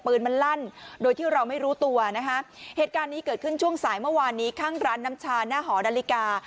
ปืนมันลั่นโดยที่เราไม่รู้ตัวนะคะเหตุการณ์นี้เกิดขึ้นช่วงสายเมื่อวานนี้ข้างร้านน้ำชาหน้าหอนาฬิกา